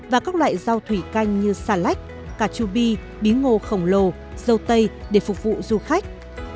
và các loại rau thủy canh như xà lách cà chua bi bí ngô khổng lồ dâu tây để phục vụ du khách